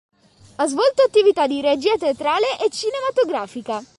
Ha svolto attività di regia teatrale e cinematografica.